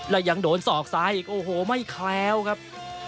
และยังโดนศอกซ้ายอีกโอ้โหไม่แคล้วครับ